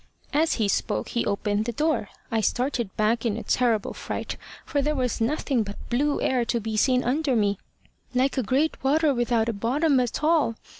As he spoke, he opened the door. I started back in a terrible fright, for there was nothing but blue air to be seen under me, like a great water without a bottom at all.